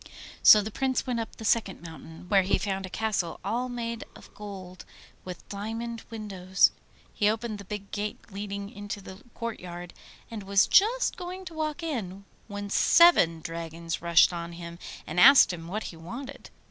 So the Prince went up the second mountain, where he found a castle all made of gold with diamond windows. He opened the big gate leading into the courtyard, and was just going to walk in, when seven dragons rushed on him and asked him what he wanted?